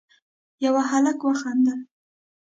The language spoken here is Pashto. يوه هلک وخندل: